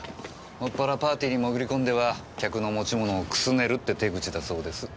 もっぱらパーティーに潜り込んでは客の持ち物をくすねるって手口だそうです。